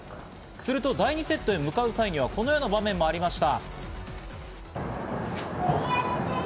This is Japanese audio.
すると第２セットへ向かう際にはこのような場面もありました。